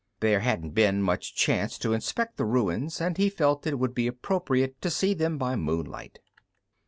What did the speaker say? There hadn't been much chance to inspect the ruins, and he felt it would be appropriate to see them by moonlight.